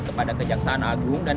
kepada kejaksaan agung dan